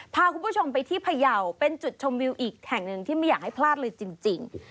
พาคุณผู้ชมไปที่พยาวเป็นจุดชมวิวอีกแห่งหนึ่งที่ไม่อยากให้พลาดเลยจริง